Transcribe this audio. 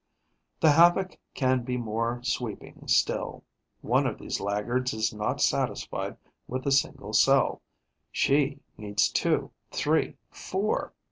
The havoc can be more sweeping still. One of these laggards is not satisfied with a single cell; she needs two, three, four.